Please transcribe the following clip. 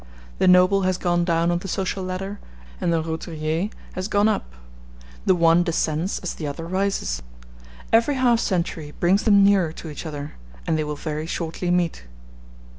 The noble has gone down on the social ladder, and the roturier has gone up; the one descends as the other rises. Every half century brings them nearer to each other, and they will very shortly meet.